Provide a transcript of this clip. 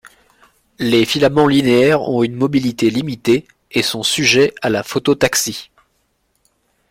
Les filaments linéaires ont une mobilité limitée et sont sujets à la phototaxie.